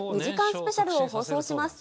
スペシャルを放送します。